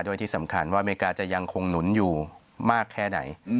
โดยที่สำคัญว่าอเมริกาจะยังคงหนุนอยู่มากแค่ไหน